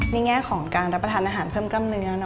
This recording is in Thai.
แง่ของการรับประทานอาหารเพิ่มกล้ามเนื้อ